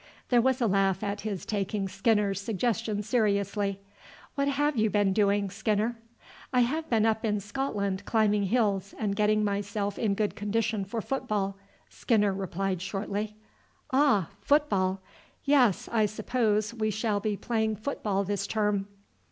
There was a laugh at his taking Skinner's suggestion seriously. "What have you been doing, Skinner?" "I have been up in Scotland climbing hills, and getting myself in good condition for football," Skinner replied shortly. "Ah, football? Yes, I suppose we shall be playing football this term."